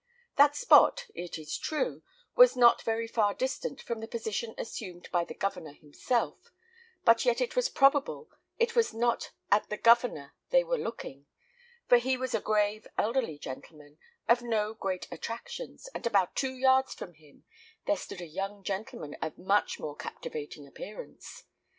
That spot, it is true, was not very far distant from the position assumed by the Governor himself; but yet it is probable it was not at the Governor they were looking, for he was a grave, elderly gentleman, of no great attractions, and about two yards from him there stood a young gentleman of much more captivating appearance.